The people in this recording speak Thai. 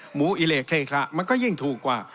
หมูอิเหละเคคะมันก็ยิ่งถูกกว่า